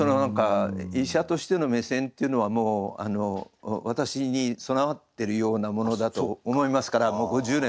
医者としての目線っていうのはもう私に備わってるようなものだと思いますからもう５０年。